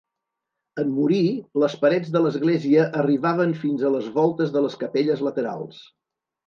En morir, les parets de l'església arribaven fins a les voltes de les capelles laterals.